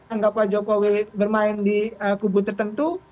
anggap pak jokowi bermain di kubu tertentu